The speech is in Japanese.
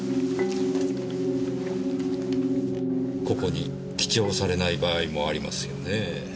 ここに記帳されない場合もありますよねぇ。